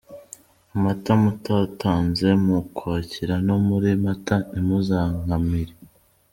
Amata mutatanze mu Ukwakira no muri Mata ntimuzankamire.